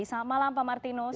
selamat malam pak martinus